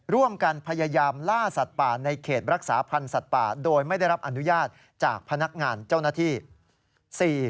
ร่วมกันพยายามล่าสัตว์ป่าในเขตรักษาพันธ์สัตว์ป่าโดยไม่ได้รับอนุญาตจากพนักงานเจ้าหน้าที่